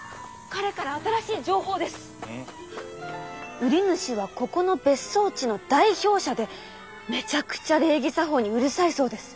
売り主はここの別荘地の代表者でめちゃくちゃ礼儀作法にうるさいそうです。